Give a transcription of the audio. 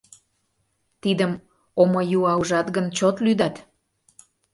Тидым омыюа ужат гын, чот лӱдат.